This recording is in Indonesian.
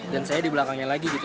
dan saya di belakangnya lagi